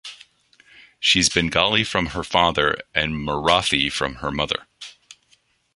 She's Bengali from her father and Marathi from her mother.